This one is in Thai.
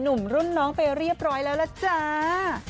หนุ่มรุ่นน้องไปเรียบร้อยแล้วล่ะจ้า